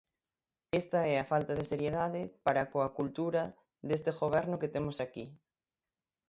Esta é a falta de seriedade para coa cultura deste goberno que temos aquí.